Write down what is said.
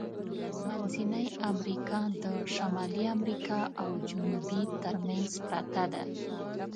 منځنۍ امریکا د شمالی امریکا او جنوبي ترمنځ پرته ده.